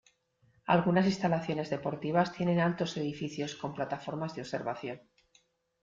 Algunas instalaciones deportivas tienen altos edificios con plataformas de observación.